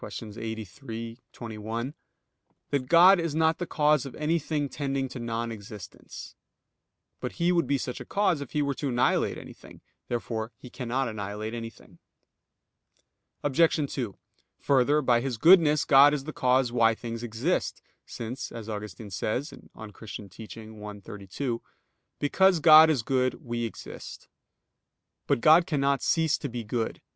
83, qu. 21) that "God is not the cause of anything tending to non existence." But He would be such a cause if He were to annihilate anything. Therefore He cannot annihilate anything. Obj. 2: Further, by His goodness God is the cause why things exist, since, as Augustine says (De Doctr. Christ. i, 32): "Because God is good, we exist." But God cannot cease to be good.